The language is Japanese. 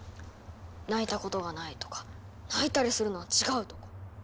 泣いたことがないとか泣いたりするのは違うとか。